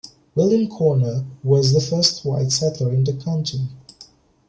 William Conner was the first white settler in the county.